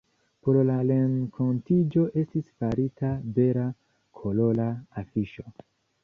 Por la renkontiĝo estis farita bela kolora afiŝo.